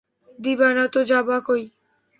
দিবা না তো যাবা কই?